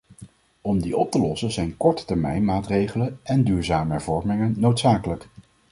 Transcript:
Om die op te lossen zijn kortetermijnmaatregelen en duurzame hervormingen noodzakelijk.